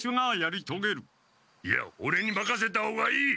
いやオレにまかせた方がいい！